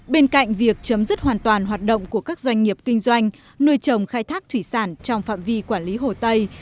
bên cạnh việc chấm dứt hoàn toàn hoạt động của các doanh nghiệp kinh doanh nuôi trồng khai thác thủy sản trong phạm vi quản lý hồ tây